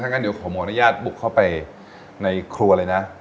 งั้นเดี๋ยวขออนุญาตบุกเข้าไปในครัวเลยนะ